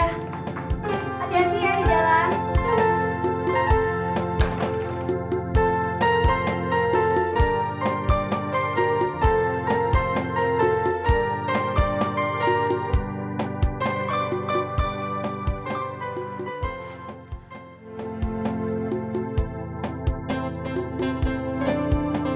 hati hati ya di jalan